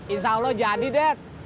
insya allah jadi det